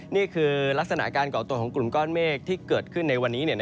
นี่คือลักษณะการก่อตัวของกลุ่มก้อนเมฆที่เกิดขึ้นในวันนี้